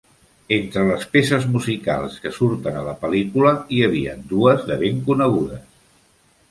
Entre les peces musicals que surten a la pel·lícula, hi havien dues de ben conegudes.